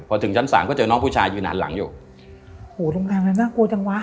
พอถึงชั้นสามก็เจอน้องผู้ชายยืนหันหลังอยู่โหตรงทางนั้นน่ากลัวจังวะ